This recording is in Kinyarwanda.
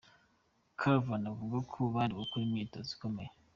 Golan avuga ko bari gukora imyitozo ikomeye.